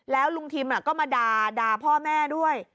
แล้วลุงทิมก็มาด่าพ่อแม่ด้วย